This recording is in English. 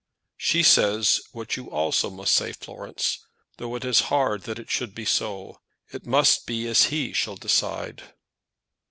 "She says what you also must say, Florence; though it is hard that it should be so. It must be as he shall decide."